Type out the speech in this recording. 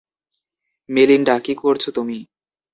Melinda, কি করছো তুমি?